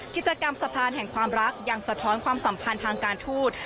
กิจกรรมสะพานแห่งความรักยังสะท้อนความสัมพันธ์ทางการทูต